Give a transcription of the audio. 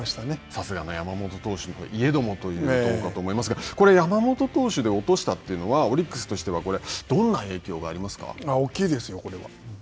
さすがの山本投手といえどもということですが、これ、山本投手で落としたというのはオリックスとしてはどんな影大きいですよ、これは。